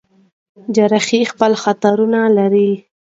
جراحي خپل خطرونه لري.